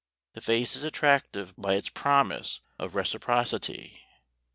The face is attractive by its promise of reciprocity.